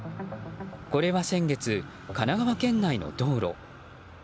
これは先月、神奈川県内の道路。